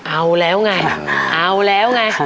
เอาแล้วไงเอาแล้วไง